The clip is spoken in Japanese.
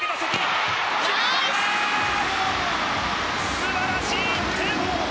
素晴らしい１点。